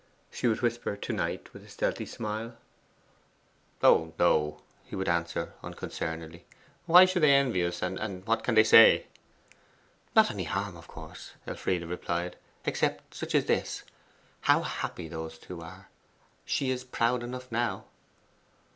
she would whisper to Knight with a stealthy smile. 'Oh no,' he would answer unconcernedly. 'Why should they envy us, and what can they say?' 'Not any harm, of course,' Elfride replied, 'except such as this: "How happy those two are! she is proud enough now."